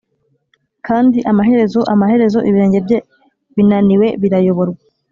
kandi amaherezo amaherezo ibirenge bye binaniwe birayoborwa